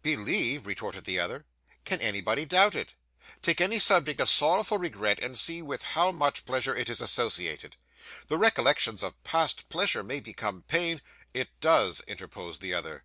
'Believe!' retorted the other, 'can anybody doubt it? Take any subject of sorrowful regret, and see with how much pleasure it is associated. The recollection of past pleasure may become pain ' 'It does,' interposed the other.